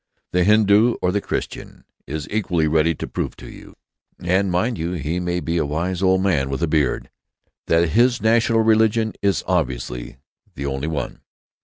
The Hindu or the Christian is equally ready to prove to you—and mind you, he may be a wise old man with a beard—that his national religion is obviously the only one.